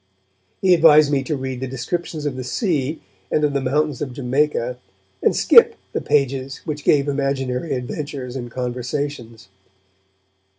He advised me to read the descriptions of the sea, and of the mountains of Jamaica, and 'skip' the pages which gave imaginary adventures and conversations.